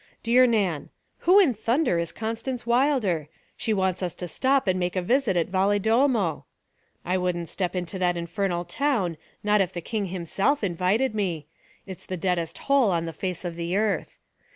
'DEAR NAN: Who in thunder is Constance Wilder? She wants us to stop and make a visit in Valedolmo. I wouldn't step into that infernal town, not if the king himself invited me it's the deadest hole on the face of the earth.